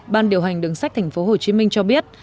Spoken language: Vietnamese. ban điều hành đường sách tp hcm cho biết